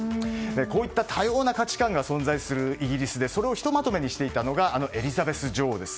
こういった多様な価値観が存在するイギリスでそれをひとまとめにしていたのがエリザベス女王です。